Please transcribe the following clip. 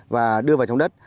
và đưa vào trong đất